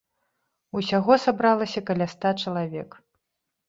Усяго сабралася каля ста чалавек.